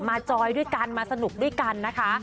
จอยด้วยกันมาสนุกด้วยกันนะคะ